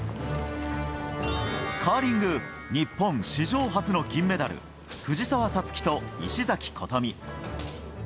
カーリング日本史上初の銀メダル藤澤五月と石崎琴美。